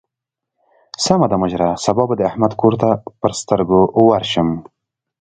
سمه ده مشره؛ سبا به د احمد کور ته پر سترګو ورشم.